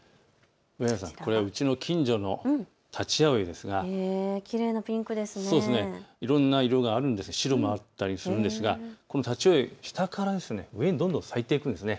これ、うちの近所のタチアオイですがいろんな色があるんですが白もあったりするんですがこのタチアオイ、下からどんどん上に咲いてくんです。